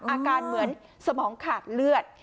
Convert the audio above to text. อาการเหมือนสมองขาดเลือด